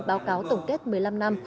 báo cáo tổng kết một mươi năm năm